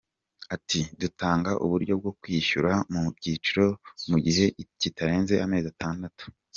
Ati “Dutanga uburyo bwo kwishyura mu byiciro mu gihe kitarenze amezi atandatu.